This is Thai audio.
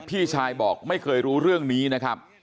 พี่ชายบอกไม่เคยรู้เรื่องนี้นะครับ